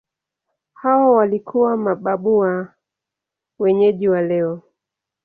Hawa walikuwa mababu wa wenyeji wa leo.